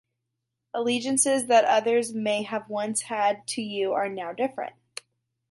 Allegiances that others may have once had to you are now different.